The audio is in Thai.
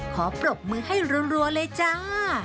ขอปรบมือให้รัวเลยจ้า